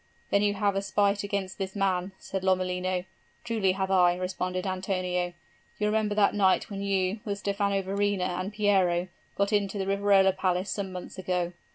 'Then you have a spite against this man,' said Lomellino. 'Truly have I,' responded Antonio. 'You remember that night when you, with Stephano Verrina and Piero, got into the Riverola Palace some months ago?